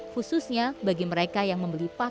kalau dulu kan enakan dulu gitu